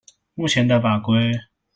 目前的法規